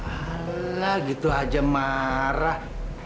alah gitu aja marah